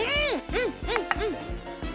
うんうんうん。